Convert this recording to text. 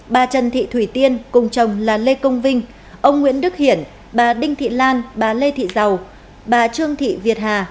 bà trần thị thủy tiên cùng chồng là lê công vinh ông nguyễn đức hiển bà đinh thị lan bà lê thị giàu bà trương thị việt hà